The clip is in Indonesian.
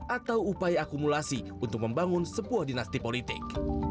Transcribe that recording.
atau upaya akumulasi untuk membangun sebuah dinasti politik